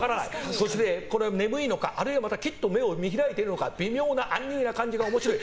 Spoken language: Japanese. そしてこの眠いのか、あるいはきっと目を見開いているのか微妙なアンニュイな感じが面白い。